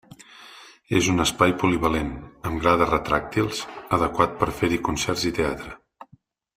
És un espai polivalent, amb grades retràctils, adequat per a fer-hi concerts i teatre.